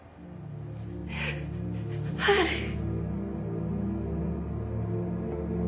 はい。